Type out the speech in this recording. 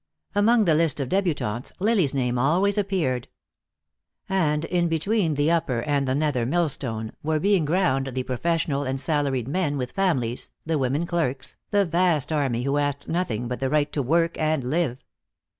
Among the list of debutantes Lily's name always appeared. And, in between the upper and the nether millstone, were being ground the professional and salaried men with families, the women clerks, the vast army who asked nothing but the right to work and live.